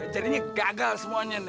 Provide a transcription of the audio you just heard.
jadinya gagal semuanya nih